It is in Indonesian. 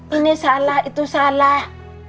ini salah itu salah